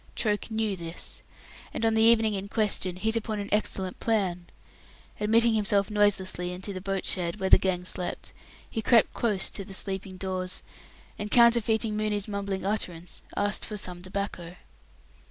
Troke knew this; and on the evening in question hit upon an excellent plan. Admitting himself noiselessly into the boat shed, where the gang slept, he crept close to the sleeping Dawes, and counterfeiting Mooney's mumbling utterance asked for "some tobacco".